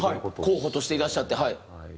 候補としていらっしゃって。